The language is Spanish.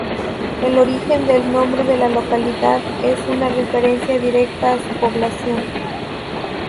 El origen del nombre de la localidad es una referencia directa a su repoblación.